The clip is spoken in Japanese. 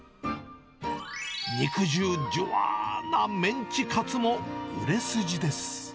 肉汁じゅわーなメンチカツも売れ筋です。